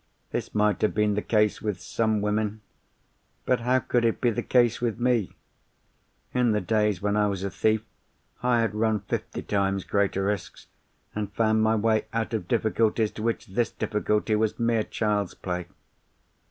This might have been the case with some women—but how could it be the case with me? In the days when I was a thief, I had run fifty times greater risks, and found my way out of difficulties to which this difficulty was mere child's play.